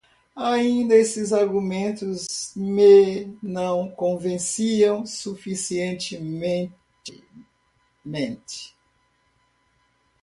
Ainda estes argumentos me não convenciam suficientemente